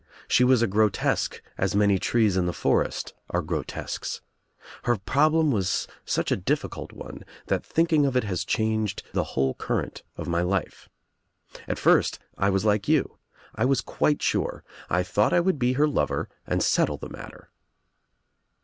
She was a grotesque as many trees in *the forest are grotesques. Her problem was such a difScult one that thinking of it has changed the whole current of my life. At first I was like you, I was quite sure. I thought I would be her lover and settle the matter."